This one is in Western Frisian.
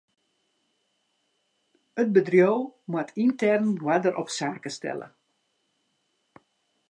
It bedriuw moat yntern oarder op saken stelle.